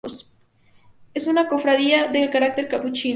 Es una cofradía de carácter capuchino.